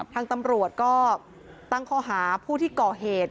ทางตำรวจก็ตั้งข้อหาผู้ที่ก่อเหตุ